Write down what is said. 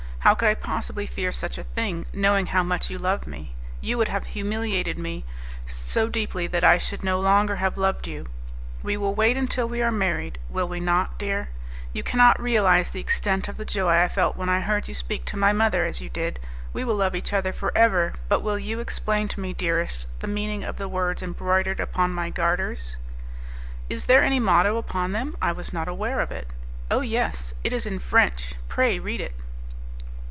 How could I possibly fear such a thing, knowing how much you love me? You would have humiliated me so deeply that I should no longer have loved you. We will wait until we are married, will we not, dear? You cannot realize the extent of the joy I felt when I heard you speak to my mother as you did! We will love each other for ever. But will you explain to me, dearest, the meaning of the words embroidered upon my garters?" "Is there any motto upon them? I was not aware of it." "Oh, yes! it is in French; pray read it."